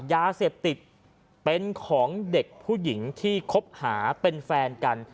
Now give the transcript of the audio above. ยาเสพติดเป็นของเด็กผู้หญิงที่คบหาเป็นแฟนกัน